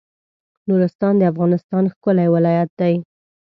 نورستان د افغانستان ښکلی ولایت دی